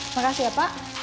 makasih ya pak